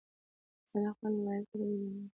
زه له خپل موبایل سره مینه لرم.